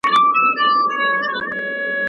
شراب مې لاس کې دي،